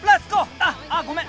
あっああごめん！